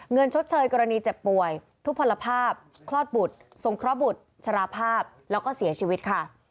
ชดเชยกรณีเจ็บป่วยทุกพลภาพคลอดบุตรทรงเคราะหบุตรชราภาพแล้วก็เสียชีวิตค่ะ